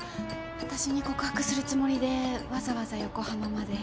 あたしに告白するつもりでわざわざ横浜まで。